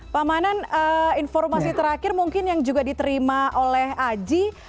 pak manan informasi terakhir mungkin yang juga diterima oleh aji